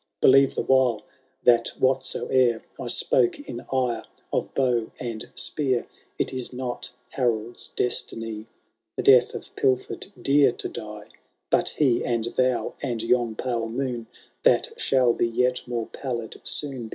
Believe the while, that whatsoe'er I spoke, in ire, of bow and spear. It is not Harold''8 destiny The death of pilfer'd deer to die. But he, and thou, and yon pale moon, (That shall be yet more pallid soon.